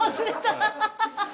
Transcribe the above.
ハハハハ！